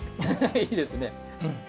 いいですね。